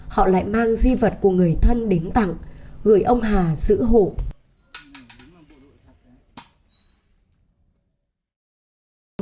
họ lại mang di vật của người thân đến tặng gửi ông hà giữ hộ